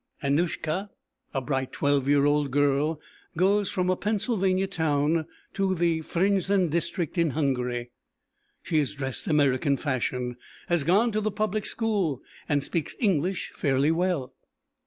Anushka, a bright twelve year old girl goes from a Pennsylvania town, to the Frenczin district in Hungary. She is dressed "American fashion," has gone to the public school and speaks English fairly well.